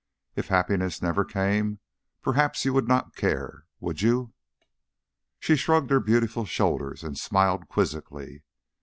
If happiness never came, perhaps you would not care would you?" She shrugged her beautiful shoulders and smiled quizzically.